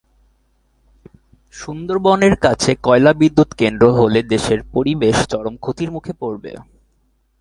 সুন্দরবনের কাছে কয়লাবিদ্যুৎ কেন্দ্র হলে দেশের পরিবেশ চরম ক্ষতির মুখে পড়বে।